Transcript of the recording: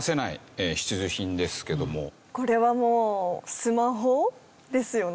これはもうスマホですよね？